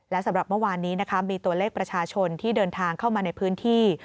และสำหรับเมื่อวานนี้นะคะมีตัวเลขประชาชนที่เดินทางเข้ามาในพื้นที่